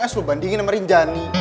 es lu bandingin sama rinjani